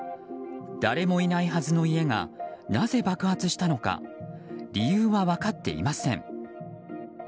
誰もいないはずの家がなぜ爆発したのか理由は分かっていません。